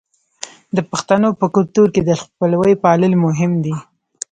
د پښتنو په کلتور کې د خپلوۍ پالل مهم دي.